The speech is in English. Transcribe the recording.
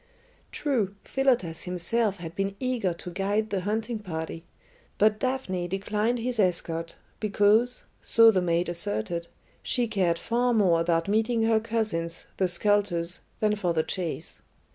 True, Philotas himself had been eager to guide the hunting party, but Daphne declined his escort because so the maid asserted she cared far more about meeting her cousins, the sculptors, than for the chase.